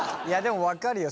分かるよ